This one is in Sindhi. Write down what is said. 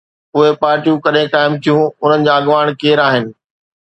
اهي پارٽيون ڪڏهن قائم ٿيون، انهن جا اڳواڻ ڪير آهن؟